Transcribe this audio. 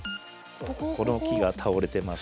この木が倒れてます。